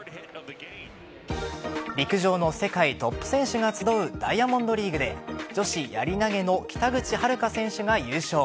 陸上の世界トップ選手が集うダイヤモンドリーグで女子やり投げの北口榛花選手が優勝。